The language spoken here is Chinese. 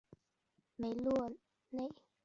梅罗内。